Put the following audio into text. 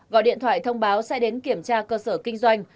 gọi điện thoại thông báo sẽ đến kiểm tra cơ sở kinh doanh